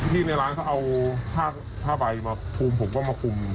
ในร้านเขาเอาผ้าใบมาคุมผมก็มาคุม